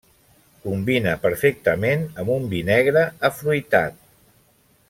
Combina perfectament amb un vi negre afruitat.